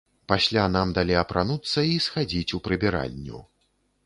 Пасля нам далі апрануцца і схадзіць у прыбіральню.